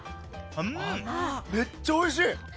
めっちゃおいしい。